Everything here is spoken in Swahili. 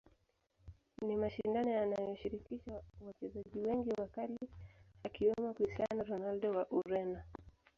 Ni mashindano yanayoshirikisha wachezaji wengi wakali akiwemo Christiano Ronaldo wa Ureno